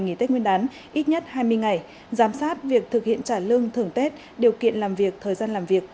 nghỉ tết nguyên đán ít nhất hai mươi ngày giám sát việc thực hiện trả lương thường tết điều kiện làm việc thời gian làm việc